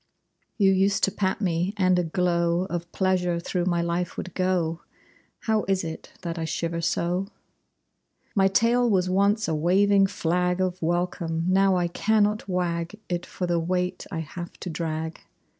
You used to pat me, and a glow Of pleasure through my life would go! How is it that I shiver so? My tail was once a waving flag Of welcome. Now I cannot wag It for the weight I have to drag.